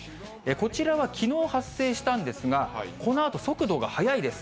こちらはきのう発生したんですが、このあと速度が速いです。